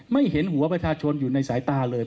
ไม่เห็นหัวประชาชนอยู่ในสายตาเลย